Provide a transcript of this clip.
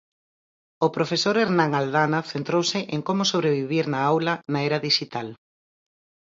O profesor Hernán Aldana centrouse en como sobrevivir na aula na era dixital.